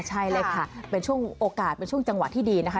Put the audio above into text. ใช่เลยค่ะเป็นช่วงโอกาสเป็นช่วงจังหวะที่ดีนะคะ